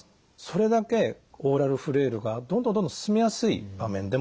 それだけオーラルフレイルがどんどんどんどん進みやすい場面でもある。